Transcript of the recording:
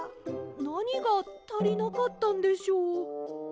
なにがたりなかったんでしょう？